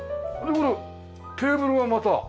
これテーブルがまた。